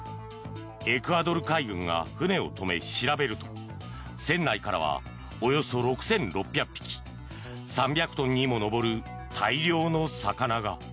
エクアドル海軍が船を止め調べると船内からはおよそ６６００匹３００トンにも上る大量の魚が。